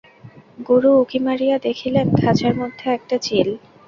গুরু উঁকি মারিয়া দেখিলেন, খাঁচার মধ্যে একটা চিল।